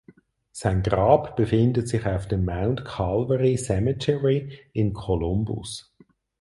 Sein Grab befindet sich auf dem "Mount Calvary Cemetery" in Columbus.